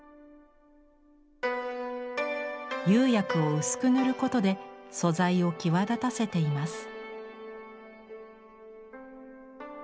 釉薬を薄く塗ることで素材を際立たせています。